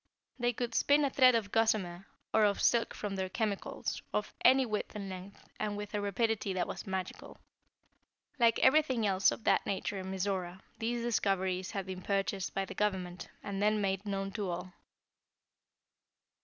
They could spin a thread of gossamer, or of silk from their chemicals, of any width and length, and with a rapidity that was magical. Like everything else of that nature in Mizora, these discoveries had been purchased by the Government, and then made known to all.